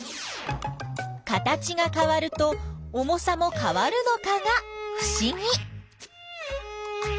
形がかわると重さもかわるのかがふしぎ。